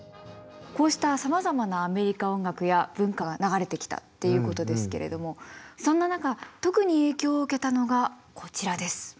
こうしたさまざまなアメリカ音楽や文化が流れてきたっていうことですけれどもそんな中特に影響を受けたのがこちらです。